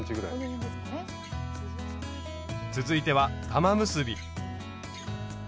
続いては玉結び。